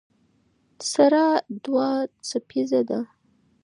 سره دوه څپیزه ده.